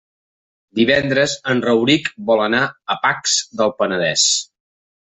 Divendres en Rauric vol anar a Pacs del Penedès.